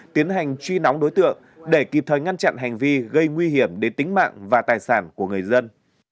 tiến hành truy nóng đối tượng để kịp thời ngăn chặn hành vi gây nguy hiểm đến tính mạng và tài sản của người dân